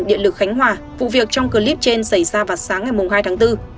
điện lực khánh hòa vụ việc trong clip trên xảy ra vào sáng ngày hai tháng bốn